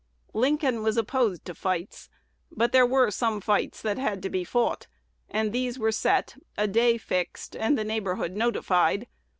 Lincoln was opposed to fights, but there were some fights that had to be fought; and these were "set," a day fixed, and the neighborhood notified.